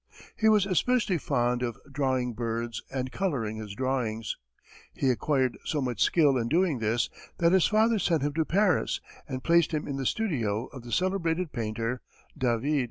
He was especially fond of drawing birds and coloring his drawings. He acquired so much skill in doing this that his father sent him to Paris and placed him in the studio of the celebrated painter, David.